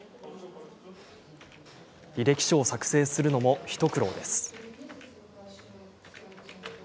履歴書を作成するのも一苦労です。